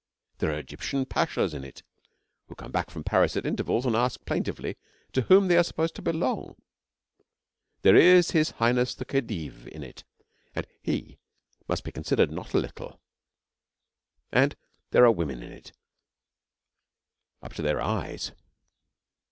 There are Egyptian pashas in it, who come back from Paris at intervals and ask plaintively to whom they are supposed to belong. There is His Highness, the Khedive, in it, and he must be considered not a little, and there are women in it, up to their eyes.